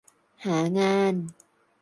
หางาน